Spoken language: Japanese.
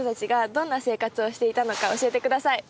どんな生活をしていたのか教えてください。